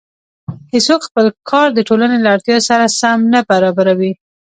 هېڅوک خپل کار د ټولنې له اړتیا سره سم نه برابروي